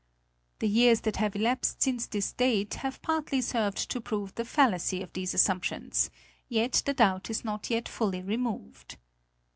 he years that have elapsed since this date have partly served to prove the fallacy of these assumptions, yet the doubt is not yet fully removed.